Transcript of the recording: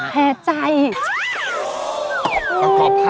เหมือนไหนฮะแพร่ใจ